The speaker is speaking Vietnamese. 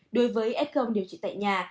đối với s điều trị tại nhà